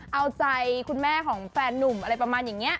เอาใจคุณแม่ของแฟนนุ่มอะไรประมาณอย่างนี้